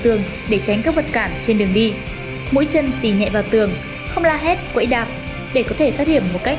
tuy nhiên với nhiều bạn thì đây thực sự là một thử thách